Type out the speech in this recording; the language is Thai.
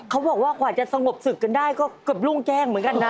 เขาบอกว่ากว่าจะสงบศึกกันได้ก็เกือบรุ่งแจ้งเหมือนกันนะ